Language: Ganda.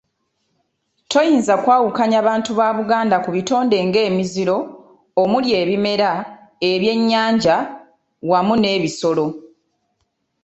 Toyinza kwawukanya bantu ba Buganda ku butonde ng’emiziro omuli ebimera, ebyennyanja awamu n’ebisolo.